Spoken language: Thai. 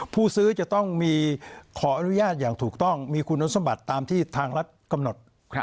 ผู้ซื้อจะต้องมีขออนุญาตอย่างถูกต้องมีคุณสมบัติตามที่ทางรัฐกำหนด